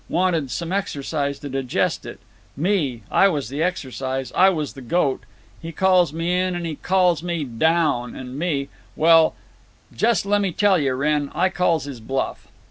Wanted some exercise to digest it. Me, I was the exercise—I was the goat. He calls me in, and he calls me down, and me—well, just lemme tell you, Wrenn, I calls his bluff!"